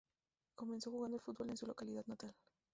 Comenzó jugando al fútbol en su localidad natal.